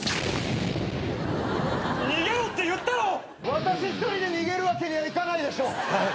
私１人で逃げるわけにはいかないでしょ。